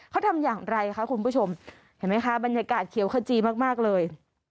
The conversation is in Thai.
เขาทำอย่างไรคะคุณผู้ชมเห็นไหมคะบรรยากาศเขียวขจีมากเลย